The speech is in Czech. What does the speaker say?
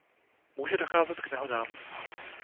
Může docházet k nehodám.